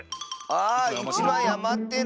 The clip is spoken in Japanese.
あ１まいあまってる！